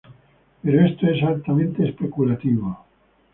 Pero esto es altamente especulativo.